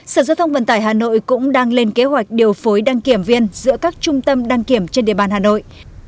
sở giao thông vận tải hà nội cũng đang lên kế hoạch điều phối đăng kiểm viên giữa các trung tâm đăng kiểm trên địa bàn hà nội